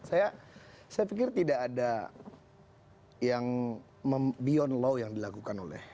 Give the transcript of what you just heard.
saya pikir tidak ada yang beyond law yang dilakukan oleh